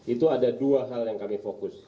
itu ada dua hal yang kami fokus